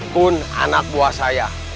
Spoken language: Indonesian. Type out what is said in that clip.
pun anak buah saya